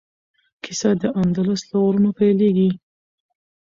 کیسه د اندلس له غرونو پیلیږي.